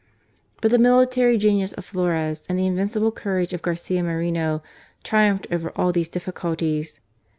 But the military genius of Flores and the invincible courage of Garcia Moreno triumphed over all these difficulties.